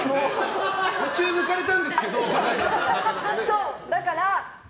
途中抜かれたんですけどとかはね。